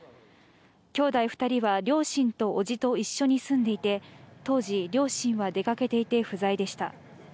兄弟２人は両親と伯父と一緒に住んでいて、当時、両親は出かけていて不在でした。